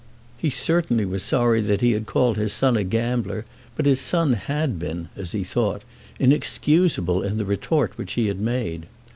He certainly was sorry that he had called his son a gambler, but his son had been, as he thought, inexcusable in the retort which he had made.